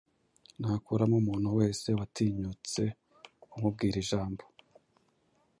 Nakuramo umuntu wese watinyutse kumubwira ijambo.